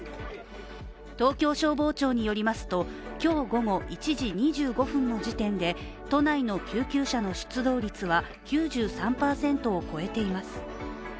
東京消防庁によりますと、今日午後１時２５分の時点で都内の救急車の出動率は９３％を超えています。